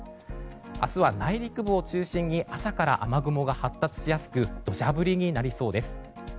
明日は内陸部を中心に朝から雨雲が発達しやすく土砂降りになりそうです。